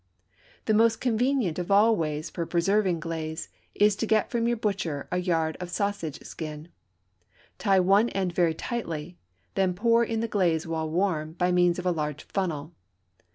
The most convenient of all ways for preserving glaze is to get from your butcher a yard of sausage skin. Tie one end very tightly, then pour in the glaze while warm by means of a large funnel.